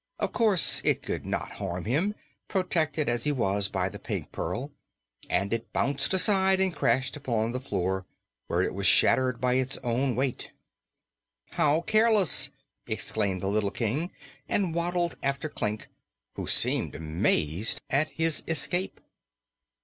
Of course, it could not harm him, protected as he was by the Pink Pearl, and it bounded aside and crashed upon the floor, where it was shattered by its own weight. "How careless!" exclaimed the little King, and waddled after Klik, who seemed amazed at his escape.